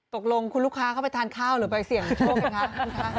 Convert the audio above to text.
ตกลงคุณลูกค้าเข้าไปทานข้าวหรือไปเสี่ยงโชคไหมคะ